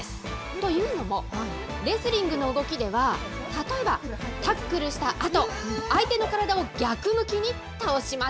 というのも、レスリングの動きでは、例えば、タックルしたあと、相手の体を逆向きに倒します。